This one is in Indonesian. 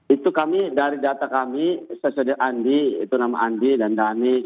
itu kami dari data kami sesuai dengan andi itu nama andi dan dhani